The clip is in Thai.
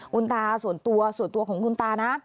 คุณตาส่วนตัวส่วนตัวของคุณตานะ